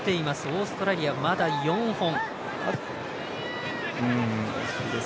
オーストラリア、まだ４本。